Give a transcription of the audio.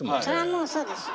もうそうですよ。